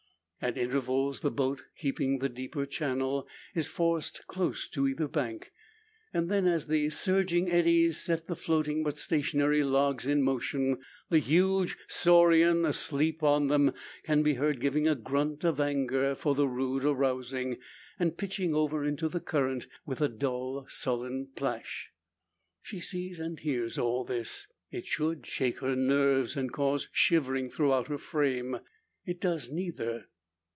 At intervals the boat, keeping the deeper channel, is forced close to either bank. Then, as the surging eddies set the floating but stationary logs in motion, the huge saurian asleep on them can be heard giving a grunt of anger for the rude arousing, and pitching over into the current with dull sullen plash. She sees, and hears all this. It should shake her nerves, and cause shivering throughout her frame. It does neither.